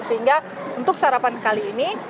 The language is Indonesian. sehingga untuk sarapan kali ini